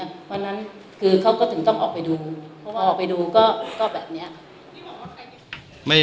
เพราะฉะนั้นคือเขาก็ถึงต้องออกไปดูเพราะว่าออกไปดูก็แบบนี้